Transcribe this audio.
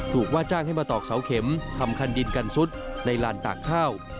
ว่าจ้างให้มาตอกเสาเข็มทำคันดินกันซุดในลานตากข้าว